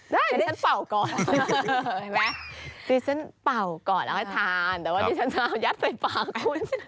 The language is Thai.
ได้ดิฉันเป่าก่อนเอาให้ทานแต่วันนี้ฉันจะเอายัดไปปากคุณ